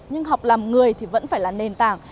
nhưng học làm người thì vẫn phải là nền tảng